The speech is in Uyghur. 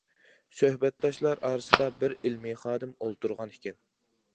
سۆھبەتداشلار ئارىسىدا بىر ئىلمىي خادىم ئولتۇرغان ئىكەن.